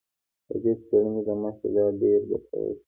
د دې څېړنې له مخې دا ډېر ګټور دی